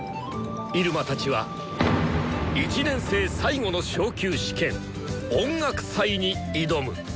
入間たちは１年生最後の昇級試験「音楽祭」に挑む！